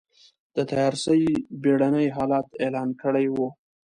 د تيارسۍ بېړنی حالت اعلان کړی و.